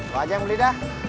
oh aja yang beli dah